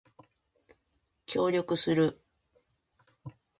協力する